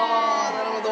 なるほど。